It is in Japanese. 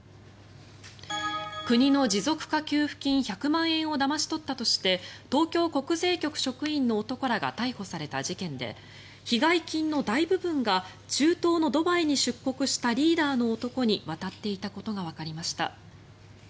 国の持続化給付金１００万円をだまし取ったとして東京国税局職員の男らが逮捕された事件で被害金の大部分が中東のドバイに出国したリーダーの男に渡っていたことがわかりました。